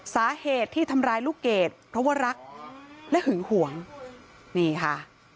สาเหตุที่ทำร้ายลูกเกดเพราะว่ารักและหึงหวงนี่ค่ะ